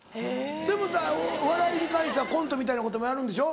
でもお笑いに関してはコントみたいなこともやるんでしょ？